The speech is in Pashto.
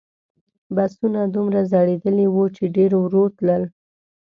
بسونه دومره زړیدلي وو چې ډېر ورو تلل.